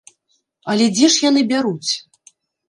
Але дзе ж яны бяруць?